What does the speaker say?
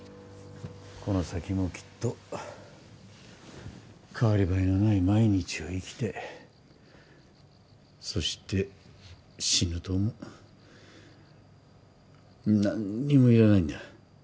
この先もきっと代わり映えのない毎日を生きてそして死ぬと思う何にもいらないんだ